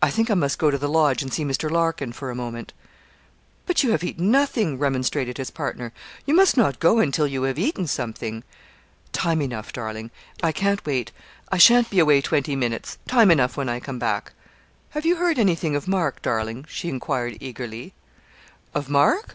I think I must go to the Lodge and see Mr. Larkin, for a moment.' 'But you have eaten nothing,' remonstrated his partner; 'you must not go until you have eaten something.' 'Time enough, darling; I can't wait I sha'n't be away twenty minutes time enough when I come back.' 'Have you heard anything of Mark, darling?' she enquired eagerly. 'Of Mark?